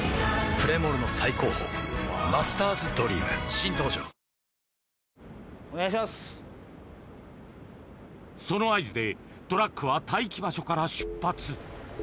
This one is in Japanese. プレモルの最高峰「マスターズドリーム」新登場ワオその合図でトラックは待機場所から出発